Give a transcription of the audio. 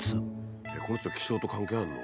えっこの人気象と関係あるの？